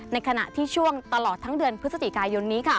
ในขณะที่ช่วงตลอดทั้งเดือนพฤศจิกายนนี้